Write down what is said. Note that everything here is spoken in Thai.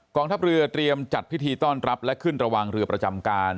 ทัพเรือเตรียมจัดพิธีต้อนรับและขึ้นระวังเรือประจำการ